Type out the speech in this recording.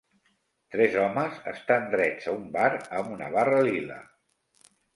Tres homes estan drets a un bar amb una barra lila.